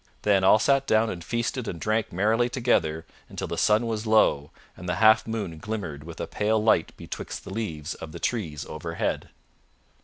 Then all sat down and feasted and drank merrily together until the sun was low and the half moon glimmered with a pale light betwixt the leaves of the trees overhead.